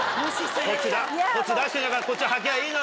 こっち出してんだからこっち履きゃいいのに。